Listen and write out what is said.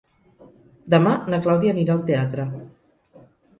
Demà na Clàudia anirà al teatre.